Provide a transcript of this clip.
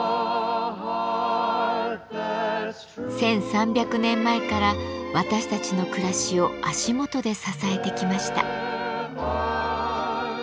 １，３００年前から私たちの暮らしを足元で支えてきました。